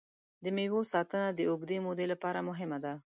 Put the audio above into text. د مېوو ساتنه د اوږدې مودې لپاره مهمه ده.